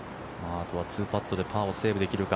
あとは２パットでパーをセーブできるか。